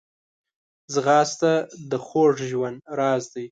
ځغاسته د خوږ ژوند راز دی